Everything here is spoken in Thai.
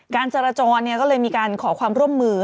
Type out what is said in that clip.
การจราจรก็เลยมีการขอความร่วมมือ